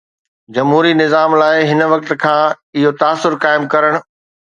جمهوري نظام لاءِ هن وقت کان اهو تاثر قائم ڪرڻ